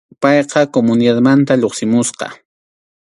Payqa comunidadninmanta lluqsimusqa.